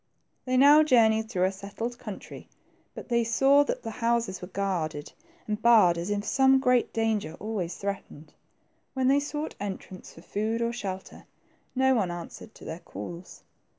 They now journeyed through a settled country, but they saw that the houses were guarded and barred as if some great danger always threatened. When they sought entrance for food or shelter, no one answered to their calls.